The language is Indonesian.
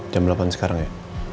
jam delapan sekarang ya